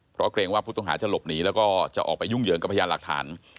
เพราะเกรงว่าผู้ต้องหาจะหลบหนีแล้วก็จะออกไปยุ่งเหยิงกับพยานหลักฐาน